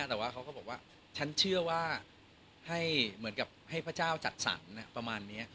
แต่ว่าเขาก็บอกว่าฉันเชื่อว่าให้เหมือนกับให้พระเจ้าจัดสรรประมาณนี้